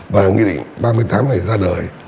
và nghị định ba mươi tám này ra đời